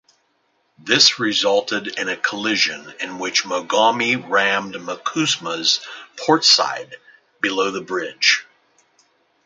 This resulted in a collision in which "Mogami" rammed "Mikuma"s portside, below the bridge.